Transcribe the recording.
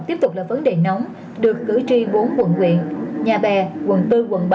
tiếp tục là vấn đề nóng được cử tri bốn quận huyện nhà bè quận bốn quận bảy